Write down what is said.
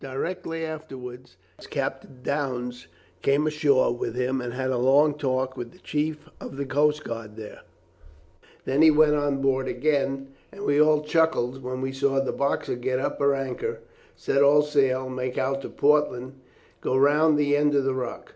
Directly afterwards Captain Downes came ashore with him and had a long talk with the chief of the coast guard there; then he went on board again, and we all chuckled when we saw the Boxer get up her anchor, set all sail, make out to Portland, and go round the end of the rock.